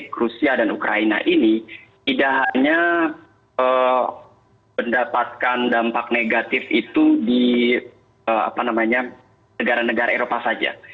rusia dan ukraina ini tidak hanya mendapatkan dampak negatif itu di negara negara eropa saja